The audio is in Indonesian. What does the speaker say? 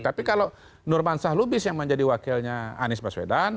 tapi kalau nurman shalubis yang menjadi wakilnya anies baswedan